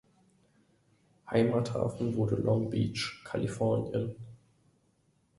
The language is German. Heimathafen wurde Long Beach (Kalifornien).